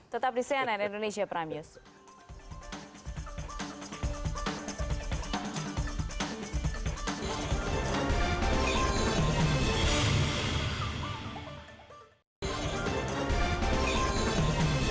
tetap di cnn indonesia prime news